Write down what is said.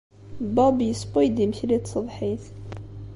Bob yessewway-d imekli n tṣebḥit.